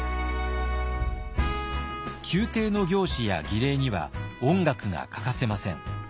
宮廷の行事や儀礼には音楽が欠かせません。